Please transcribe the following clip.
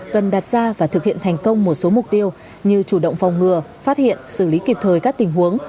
cần đặt ra và thực hiện thành công một số mục tiêu như chủ động phòng ngừa phát hiện xử lý kịp thời các tình huống